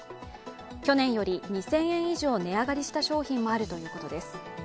去年より２０００円以上値上がりした商品もあるということです。